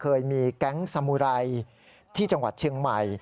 เคยมีแก๊งสมุไรที่จังหวัดเชียงใหม่